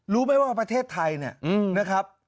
รู้ไหมว่าประเทศไทยเนี่ยนะครับ